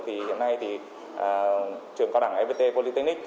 hiện nay trường cao đẳng fpt polytechnic